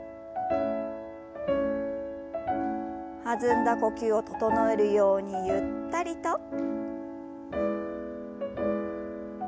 弾んだ呼吸を整えるようにゆったりと。